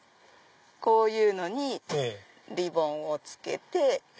こういうのにリボンをつけて。